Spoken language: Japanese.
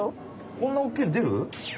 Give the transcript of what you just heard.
こんな大きいのでる？